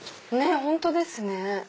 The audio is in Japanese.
本当ですね。